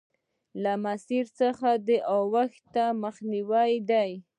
له مسیر څخه د اوښتو مخنیوی دی.